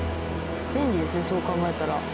便利ですねそう考えたら。